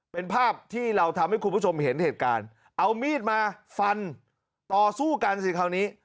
เป็นภาพที่เราทำให้คุณผู้ชมเห็นเหตุการณ์เอามีดมาฟันต่อสู้กันสิคราวนี้